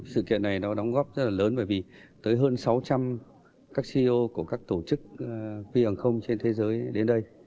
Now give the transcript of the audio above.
sự kiện này nó đóng góp rất là lớn bởi vì tới hơn sáu trăm linh các ceo của các tổ chức phi hàng không trên thế giới đến đây